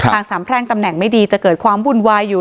สามแพร่งตำแหน่งไม่ดีจะเกิดความวุ่นวายอยู่